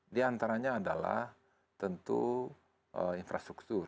di antaranya adalah tentu infrastruktur